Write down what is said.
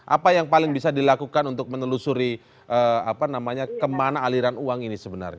apa yang paling bisa dilakukan untuk menelusuri kemana aliran uang ini sebenarnya